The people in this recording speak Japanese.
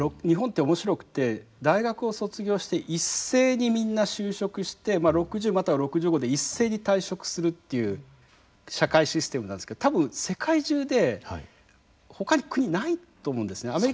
日本って面白くて大学を卒業して一斉にみんな就職して６０または６５で一斉に退職するっていう社会システムなんですけど多分世界中でほかに国ないと思うんですね。